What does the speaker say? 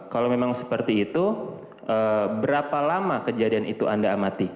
kalau memang seperti itu berapa lama kejadian itu anda amati